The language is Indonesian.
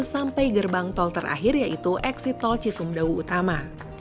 sampai gerbang tol terakhir yaitu eksi tol cisumdau utama